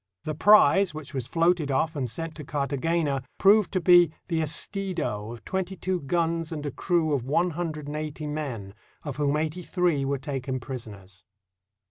The prize, which was floated off and sent to Cartagena, proved to be the Estido of twenty two guns and a crew of one hundred and eighty men, of whom eighty three were taken pris oners.